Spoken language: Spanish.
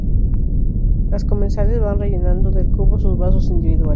Los comensales van rellenando del cubo sus vasos individuales.